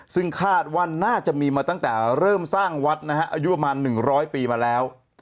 ซึ่งคาดว่าน่าจะมีมาตั้งแต่เริ่มสร้างวัดนะฮะอายุประมาณ๑๐๐ปีมาแล้ว